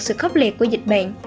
sự khốc liệt của dịch bệnh